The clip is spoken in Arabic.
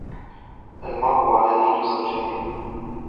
الْمَرْءُ عَلَى دَيْنِ زَوْجَتِهِ